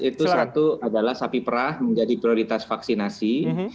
itu satu adalah sapi perah menjadi prioritas vaksinasi